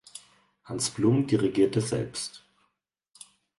Hans Blum dirigierte selbst.